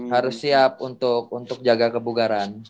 harus siap untuk jaga kebugaran